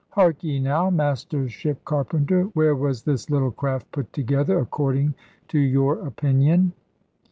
"Hark ye now, master ship carpenter, where was this little craft put together, according to your opinion?"